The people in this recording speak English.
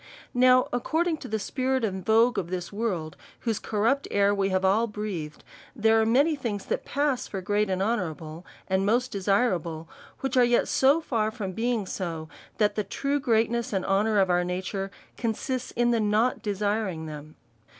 Now according to the spirit and vogue of this world, whose corrupt air we have all breathed, there are many things that pass for great and honourable, and most desirable, which yet are so far from being so, that the true greatness and honour of our nature con sists in the not desiring them.